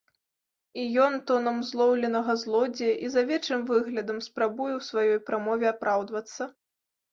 І ён, тонам злоўленага злодзея і з авечым выглядам, спрабуе ў сваёй прамове апраўдвацца.